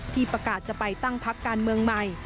ประกาศจะไปตั้งพักการเมืองใหม่